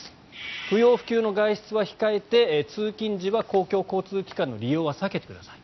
不要不急の外出は控えて通勤時は公共交通機関の利用は避けてください。